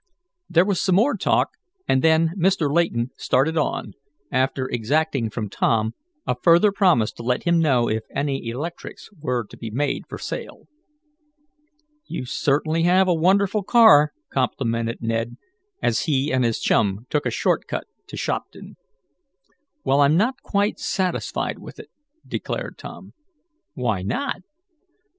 There was some more talk, and then Mr. Layton started on, after exacting from Tom a further promise to let him know if any electrics were to be made for sale. "You certainly have a wonderful car," complimented Ned, as he and his chum took a short cut to Shopton. "Well, I'm not quite satisfied with it," declared Tom. "Why not?"